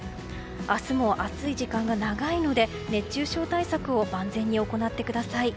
明日も暑い時間が長いので熱中症対策を万全に行ってください。